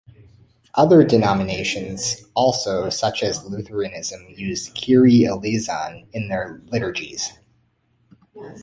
Other denominations also, such as Lutheranism, use "Kyrie, eleison" in their liturgies.